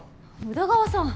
宇田川さん。